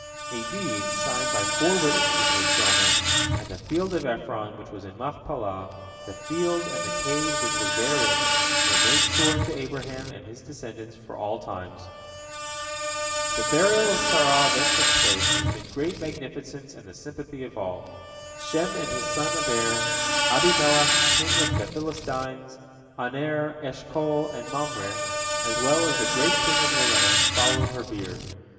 A deed, signed by four witnesses, was drawn up, and the field of Ephron, which was in Machpelah, the field, and the cave which was therein, were made sure unto Abraham and his descendants for all times. The burial of Sarah then took place, amid great magnificence and the sympathy of all. Shem and his son Eber, Abimelech king of the Philistines, Aner, Eshcol, and Mamre, as well as all the great of the land, followed her bier.